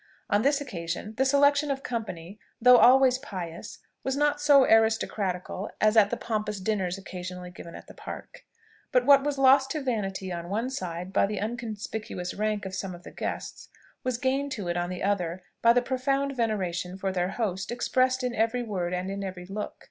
On this occasion the selection of company, though always pious, was not so aristocratical as at the pompous dinners occasionally given at the Park. But what was lost to vanity on one side by the unconspicuous rank of some of the guests, was gained to it on the other by the profound veneration for their host expressed in every word and in every look.